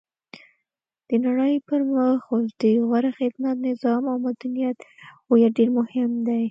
د نړۍ پرمخ اوس د غوره خدمت، نظام او مدنیت هویت ډېر مهم دی.